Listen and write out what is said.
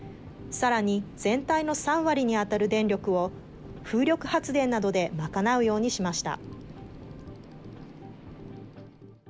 さらに、全体の３割に当たる電力を、風力発電などで賄うようにしました。